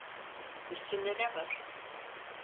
Üstünde ne var?